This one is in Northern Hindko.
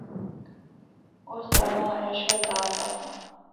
اُس دا ںاں ایشور داس آسا۔